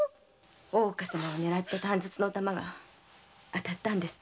大岡様を狙った短筒の弾が当たったんですって。